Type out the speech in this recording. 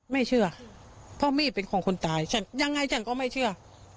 ไม่เชื่อเพราะมีดเป็นของคนตายฉันยังไงฉันก็ไม่เชื่อ